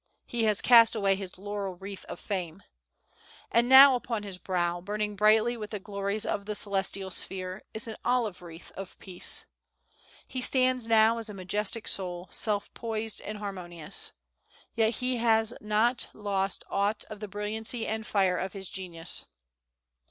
"He has cast away his laurel wreath of fame," and now upon his brow, burning brightly with the glories of the celestial sphere, is an olive wreath of peace. He stands now as a majestic soul, self poised and harmonious. Yet he has not lost aught of the brilliancy and fire of his genius.